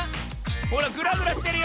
ほらグラグラしてるよ。